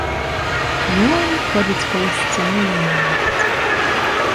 Ён ходзіць паўз сцяну і марыць.